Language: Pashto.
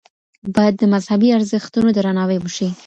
باید د مذهبي ارزښتونو درناوی وشي.